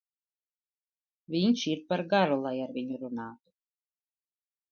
Viņš ir par garu, lai ar viņu runātu.